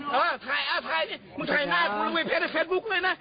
มึงถ่ายหน้ากูเลยไว้เพจในเฟสบุ๊คด้วยนะ